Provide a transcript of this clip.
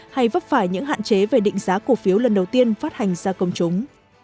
hay vấp phải những hạn chế về định giá cổ phiếu lần đầu tiên phát hành ra công chúng